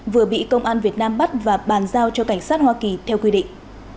vừa bị công an việt nam bắt và bàn giao cho cảnh sát hoa kỳ theo quy định